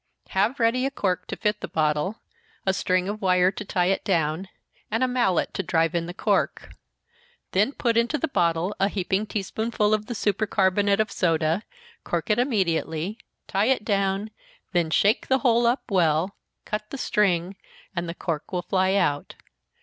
Have ready a cork to fit the bottle, a string of wire to tie it down, and a mallet to drive in the cork. Then put into the bottle a heaping tea spoonful of the super carbonate of soda, cork it immediately, tie it down, then shake the whole up well, cut the string, and the cork will fly out.